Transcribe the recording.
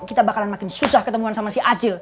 kita bakalan makin susah ketemuan sama si acil